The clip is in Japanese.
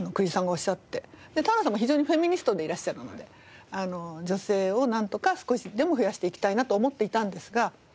田原さんも非常にフェミニストでいらっしゃるので女性をなんとか少しでも増やしていきたいなと思っていたんですが。